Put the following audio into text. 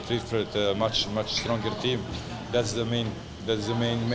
tentu saja saya sangat menyukai tim yang lebih kuat